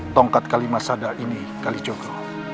tongkat kalimah sahada ini kalijogo